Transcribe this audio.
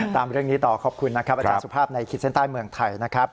ตามเรื่องนี้ต่อขอบคุณนะครับอาจารย์สุภาพในขีดเส้นใต้เมืองไทยนะครับ